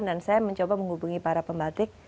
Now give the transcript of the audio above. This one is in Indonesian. dan saya mencoba menghubungi para pengenajin